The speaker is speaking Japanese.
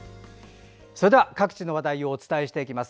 それでは各地の話題をお伝えしていきます。